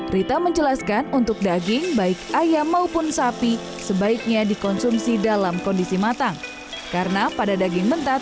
rita menjelaskan untuk daging baik ayam maupun sapi sebaiknya dikonsumsi dalam kondisi matang